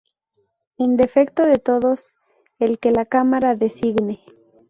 En defecto de todos, el que la Cámara designe.